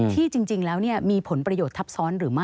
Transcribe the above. ที่จริงแล้วมีผลประโยชน์ทับซ้อนหรือไม่